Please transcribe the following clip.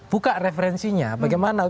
buka referensinya bagaimana